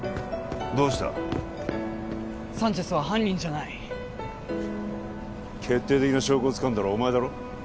どうしたサンチェスは犯人じゃない決定的な証拠をつかんだのはお前だろ？